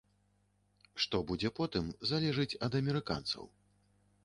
Што будзе потым, залежыць ад амерыканцаў.